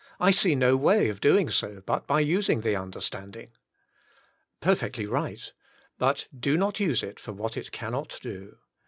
I see no way of doing so, but by using the understanding." Perfectly right. But do not use it for what it cannot do.